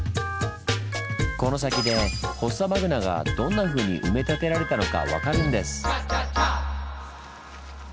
この先でフォッサマグナがどんなふうに埋め立てられたのか分かるんです。